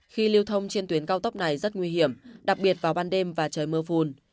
khi lưu thông trên tuyến cao tốc này rất nguy hiểm đặc biệt vào ban đêm và trời mưa phùn